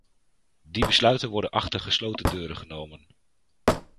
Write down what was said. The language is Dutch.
Die besluiten worden achter gesloten deuren genomen.